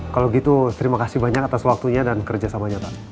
kalau gitu terima kasih banyak atas waktunya dan kerjasamanya pak